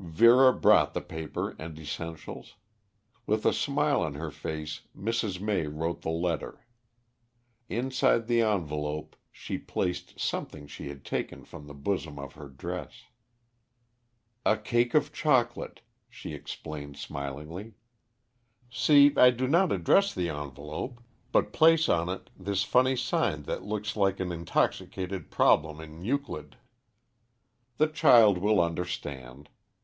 Vera brought the paper and essentials. With a smile on her face Mrs. May wrote the letter. Inside the envelope she placed something she had taken from the bosom of her dress. "A cake of chocolate," she explained smilingly. "See, I do not address the envelope, but place on it this funny sign that looks like an intoxicated problem in Euclid. The child will understand.